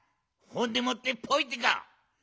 ほんでもってぽいってか。